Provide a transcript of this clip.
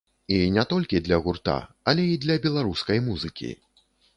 І не толькі для гурта, але і для беларускай музыкі.